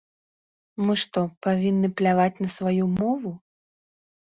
Мы што, павінны пляваць на сваю мову?